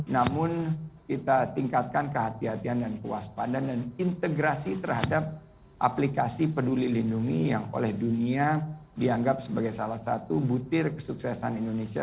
namun kita tingkatkan kehatian dan kewaspadaan dan integrasi terhadap aplikasi peduli lindungi yang oleh dunia dianggap sebagai salah satu butir kesuksesan indonesia